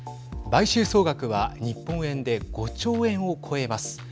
買収総額は日本円で５兆円を超えます。